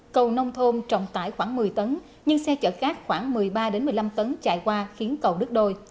cầu nông thôn trọng tải khoảng một mươi tấn nhưng xe chở khác khoảng một mươi ba một mươi năm tấn chạy qua khiến cầu đứt đôi